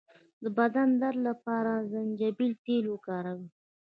د بدن درد لپاره د زنجبیل تېل وکاروئ